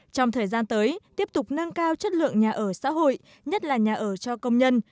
trong thời gian tới tiếp tục nâng cao chất lượng nhà ở xã hội nhất là nhà ở cho công nhân